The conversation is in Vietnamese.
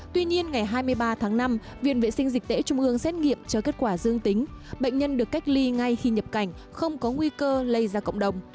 tuy nhiên ngày hai mươi ba tháng năm viện vệ sinh dịch tễ trung ương xét nghiệm cho kết quả dương tính bệnh nhân được cách ly ngay khi nhập cảnh không có nguy cơ lây ra cộng đồng